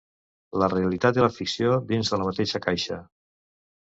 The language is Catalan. La realitat i la ficció dins de la mateixa caixa.